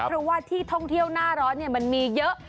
เพราะว่าที่ท่องเที่ยวหน้าร้อนมันมีเยอะ